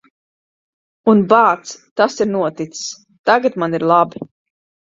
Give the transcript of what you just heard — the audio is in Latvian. Un, bāc, tas ir noticis. Tagad man ir labi.